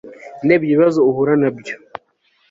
ndebye ibibazo uhura nabyo